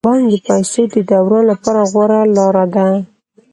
بانک د پيسو د دوران لپاره غوره لاره ده.